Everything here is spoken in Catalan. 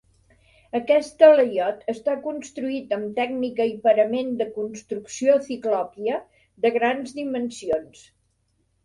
Aquest talaiot està construït amb tècnica i parament de construcció ciclòpia de grans dimensions.